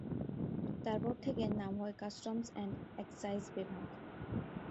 তারপর থেকে এর নাম হয় কাস্টমস অ্যান্ড এক্সাইজ বিভাগ।